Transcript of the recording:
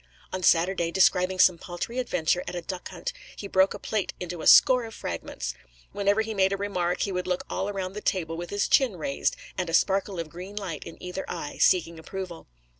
On Saturday, describing some paltry adventure at a duck hunt, he broke a plate into a score of fragments. Whenever he made a remark, he would look all round the table with his chin raised, and a spark of green light in either eye, seeking approval.